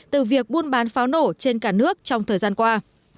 từ việc buôn bán pháo nổ trên cả nước trong thời gian qua